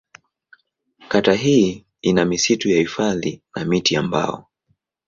Kata hii ina misitu ya hifadhi na miti ya mbao.